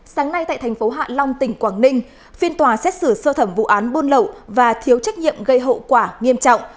sáng nay tại thành phố hạ long tỉnh quảng ninh phiên tòa xét xử sơ thẩm vụ án buôn lậu và thiếu trách nhiệm gây hậu quả nghiêm trọng